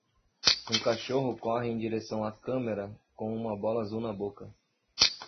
Um cachorro corre em direção à câmera com uma bola azul na boca.